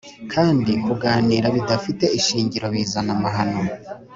kandi kuganira bidafite ishingiro bizana amahano;